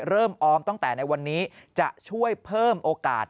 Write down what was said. ออมตั้งแต่ในวันนี้จะช่วยเพิ่มโอกาส